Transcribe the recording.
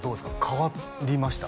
変わりました？